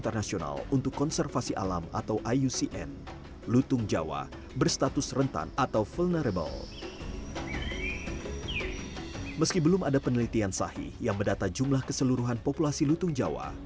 meski belum ada penelitian sahih yang mendata jumlah keseluruhan populasi lutung jawa